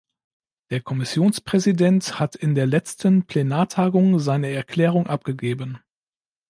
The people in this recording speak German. Der Kommissionspräsident hat in der letzten Plenartagung seine Erklärung abgegeben.